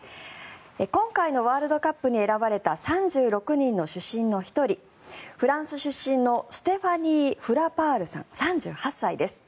今回のワールドカップに選ばれた３６人の主審の１人フランス出身のステファニー・フラパールさん３８歳です。